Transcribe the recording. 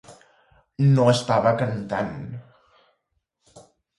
No estava cantant.